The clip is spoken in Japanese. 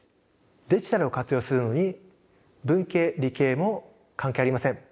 デジタルを活用するのに文系・理系も関係ありません。